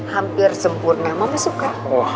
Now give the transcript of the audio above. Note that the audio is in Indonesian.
hampir sempurna mama suka